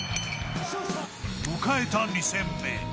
迎えた２戦目。